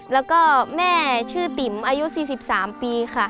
แล้วก็แม่ชื่อติ๋มอายุ๔๓ปีค่ะ